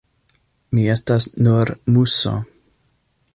Mi estas nur muso.